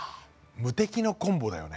無敵のコンボだよね。